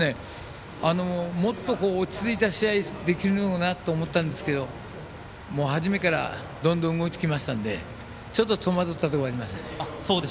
もっと落ち着いた試合できるのかなと思ったんですけど始めからどんどん動いてきましたのでちょっと戸惑ったところがあります。